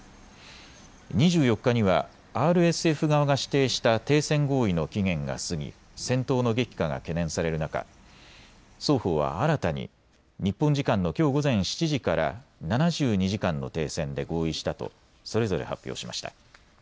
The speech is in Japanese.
２４日にはＲＳＦ側が指定した停戦合意の期限が過ぎ戦闘の激化が懸念される中、双方は新たに日本時間のきょう午前７時から７２時間の停戦で合意したとそれぞれ発表しました。